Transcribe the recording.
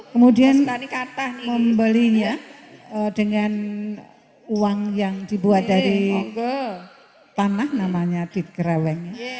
kemudian membelinya dengan uang yang dibuat dari tanah namanya di krawengnya